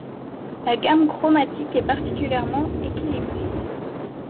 La gamme chromatique est particulièrement équilibrée.